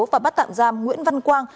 và bắt tạm giam nguyễn văn quang